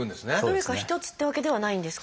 どれか一つってわけではないんですか？